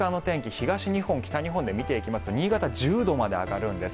東日本、北日本で見ていきますと新潟、１０度まで上がるんです。